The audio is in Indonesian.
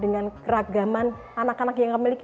dengan keragaman anak anak yang kami miliki